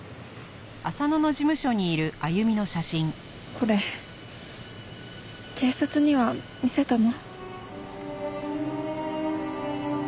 これ警察には見せたの？